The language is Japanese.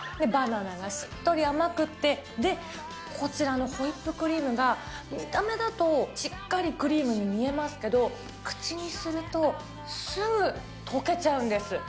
バナナがしっとり甘くって、で、こちらのホイップクリームが見た目だとしっかりクリームに見えますけど、口にすると、すぐ溶けちゃうんです。